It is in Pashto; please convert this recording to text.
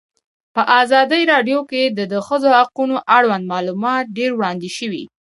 په ازادي راډیو کې د د ښځو حقونه اړوند معلومات ډېر وړاندې شوي.